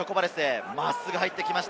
真っすぐ入ってきました。